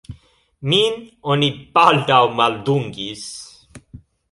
Min oni baldaŭ maldungis.